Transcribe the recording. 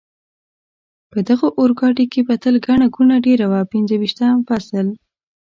په دغه اورګاډي کې به تل ګڼه ګوڼه ډېره وه، پنځه ویشتم فصل.